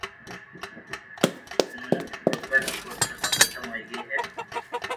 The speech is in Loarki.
ھمو غربت اپوري صفا ختم ھوئي گئي ھي